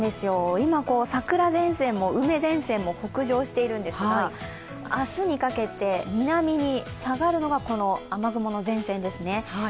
今、桜前線も梅前線も北上しているんですが明日にかけて南に下がるのが雨雲の前線ですね。